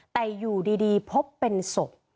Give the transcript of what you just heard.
แต่อยู่ดีพบเป็นศพ